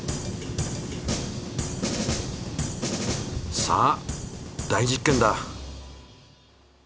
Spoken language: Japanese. さあ大実験だ！